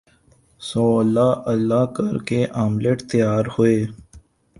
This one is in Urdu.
سو اللہ اللہ کر کے آملیٹ تیار ہوئے